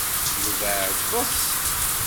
Yuba iɛeḍḍes.